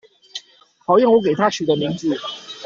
討厭我給她取的名字